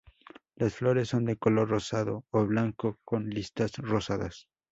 Las flores son de color rosado o blanco con listas rosadas.